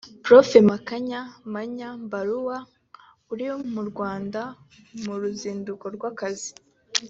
Prof Makame Mnyaa Mbarawa uri mu Rwanda mu ruzinduko rw’akazi